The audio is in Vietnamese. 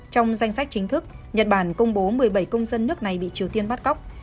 trong danh sách chính thức nhật bản công bố một mươi bảy công dân nước này bị triều tiên bắt cóc